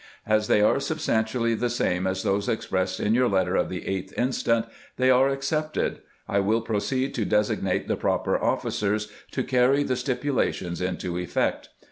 As they are substantially the same as those expressed in your letter of the 8th inst., they are accepted. I will proceed to designate the proper officers to carry the stipu lations into effect.